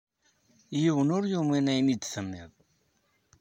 Yiwen ur yumin ayen i d-tenniḍ.